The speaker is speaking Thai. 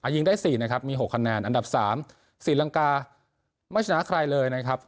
ยิงได้๔นะครับมี๖คะแนนอันดับ๓ศรีลังกาไม่ชนะใครเลยนะครับ